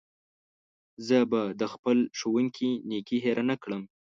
زه به د خپل ښوونکي نېکي هېره نه کړم.